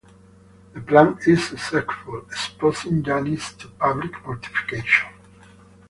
The plan is successful, exposing Janice to public mortification.